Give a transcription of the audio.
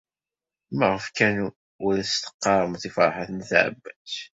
Maɣef kan ur as-teɣɣaremt i Ferḥat n At Ɛebbas?